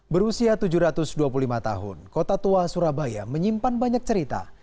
berusia tujuh ratus dua puluh lima tahun kota tua surabaya menyimpan banyak cerita